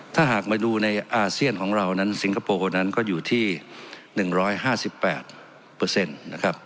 ถ้าหากมาดูในอาเซียนของเรานั้นสิงคโปร์คนนั้นก็อยู่ที่๑๕๘นะครับ